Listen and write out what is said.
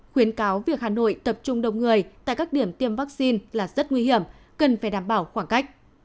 khuyến cáo việc hà nội tập trung đông người tại các điểm tiêm vaccine là rất nguy hiểm cần phải đảm bảo khoảng cách